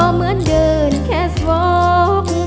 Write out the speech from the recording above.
เหมือนเดินแคสวอล์